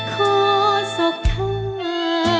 ขอสุขค่ะขอสุขค่ะ